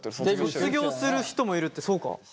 卒業する人もいるってそうか。